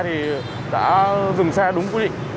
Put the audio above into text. thì đã dừng xe đúng quy định